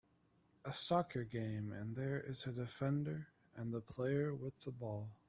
a soccer game and there is a defender and the player with the ball